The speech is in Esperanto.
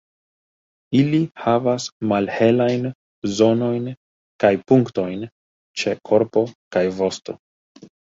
Ili havas malhelajn zonojn kaj punktojn ĉe korpo kaj vosto.